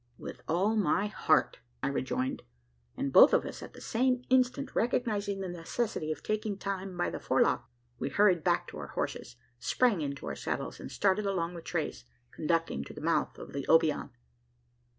"With all my heart!" I rejoined; and both of us at the same instant recognising the necessity of taking time by the forelock, we hurried back to our horses, sprang into our saddles and started along the trace conducting to the mouth of the Obion.